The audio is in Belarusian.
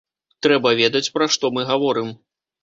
Трэба ведаць, пра што мы гаворым.